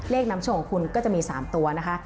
เลขนำโชคของคุณก็จะมี๓ตัวนะคะ